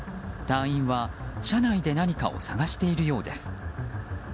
隊員は車内で何かを探しているようです。